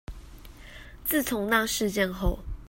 自從那事件後